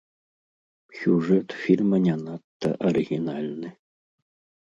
Сюжэт фільма не надта арыгінальны.